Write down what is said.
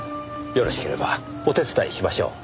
よろしければお手伝いしましょう。